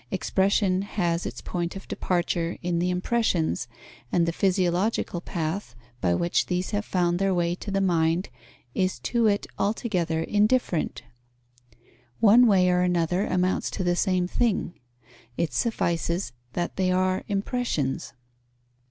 Expression has its point of departure in the impressions, and the physiological path by which these have found their way to the mind is to it altogether indifferent. One way or another amounts to the same thing: it suffices that they are impressions.